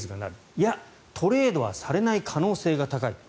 いや、トレードはされない可能性が高い。